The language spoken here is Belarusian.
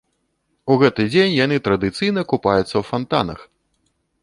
У гэты дзень яны традыцыйна купаюцца ў фантанах.